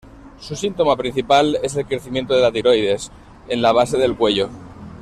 Su síntoma principal es el crecimiento de la tiroides, en la base del cuello.